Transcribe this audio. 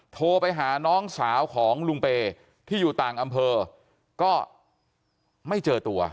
โทรไปหาน้องสาวของลุงเปย์ที่อยู่ต่างอำเภอก็ไม่เจอตัว